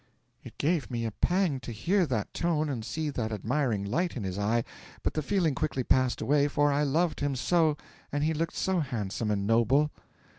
'It gave me a pang to hear that tone and see that admiring light in his eye, but the feeling quickly passed away, for I loved him so, and he looked so handsome and noble.